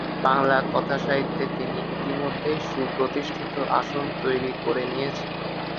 বাংলা কথাসাহিত্যে তিনি ইতোমধ্যেই সুপ্রতিষ্ঠিত আসন তৈরি করে নিয়েছেন।